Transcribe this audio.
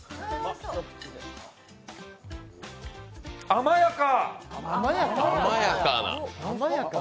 甘やか！